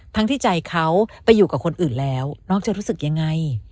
ที่ใจเขาไปอยู่กับคนอื่นแล้วน้องจะรู้สึกยังไง